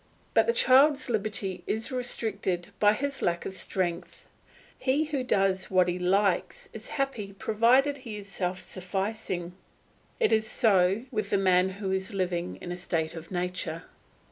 But the child's liberty is restricted by his lack of strength. He who does as he likes is happy provided he is self sufficing; it is so with the man who is living in a state of nature.